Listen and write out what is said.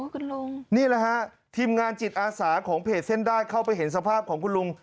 คุณลุงนี่แหละฮะทีมงานจิตอาสาของเพจเส้นได้เข้าไปเห็นสภาพของคุณลุง